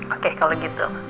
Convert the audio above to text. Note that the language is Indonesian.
oke kalau gitu